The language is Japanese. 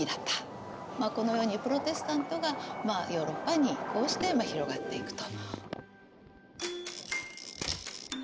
このようにプロテスタントがヨーロッパにこうして広がっていくと。